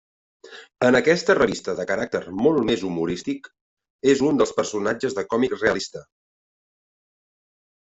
En aquesta revista de caràcter molt més humorístic, és un dels personatges de còmic realista.